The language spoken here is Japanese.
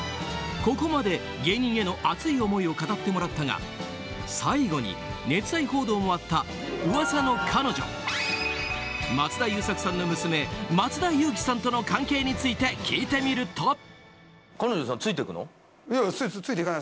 ここまで芸人への熱い思いを語ってもらったが最後に熱愛報道もあったうわさの彼女松田優作さんの娘松田ゆう姫さんとの関係について聞いてみると。